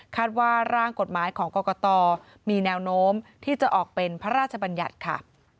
ว่าร่างกฎหมายของกรกตมีแนวโน้มที่จะออกเป็นพระราชบัญญัติค่ะ